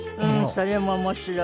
それも面白い。